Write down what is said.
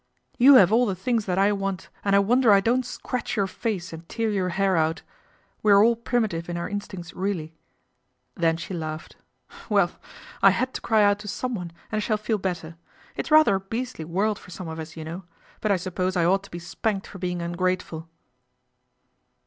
" You have all the things that I want, and I wonder I don't scratch your face and tear your hair out. We are all primitive in our instincts really." Then she laughed. " Well ! I had to cry out to someone, and I shall feel better. It's rather a beastly world for some of us, you know ; but I suppose I ought to be spanked for being ungrateful."